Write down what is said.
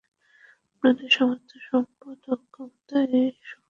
আপনাদের সমস্ত সম্পদ ও ক্ষমতা, এই সমস্তকিছুই একজন শিকারীর প্রকোপের কাছে কিছুই নয়।